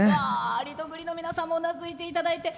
リトグリの皆さんもうなずいていただいて。